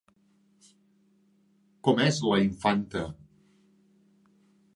Com és la Infanta?